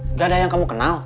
tidak ada yang kamu kenal